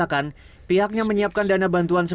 dan kita tidak melakukan ini sendiri